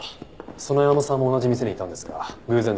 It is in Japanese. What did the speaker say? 園山さんも同じ店にいたんですが偶然ですか？